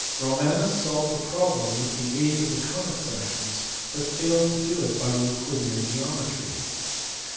Romanus solved the problem with the aid of the conic sections, but failed to do it by Euclidean geometry.